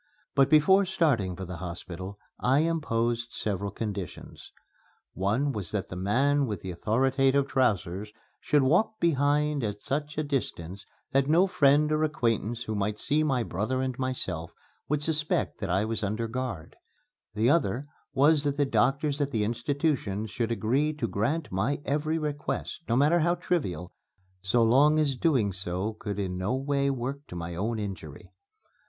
But before starting for the hospital I imposed certain conditions. One was that the man with the authoritative trousers should walk behind at such a distance that no friend or acquaintance who might see my brother and myself would suspect that I was under guard; the other was that the doctors at the institution should agree to grant my every request, no matter how trivial, so long as doing so could in no way work to my own injury.